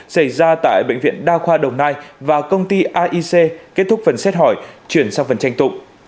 xảy ra tại bệnh viện đa khoa đồng nai và công ty aic kết thúc phần xét hỏi chuyển sang phần tranh tụ